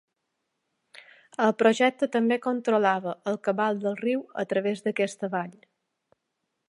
El projecte també controlava el cabal del riu a travès d'aquesta vall.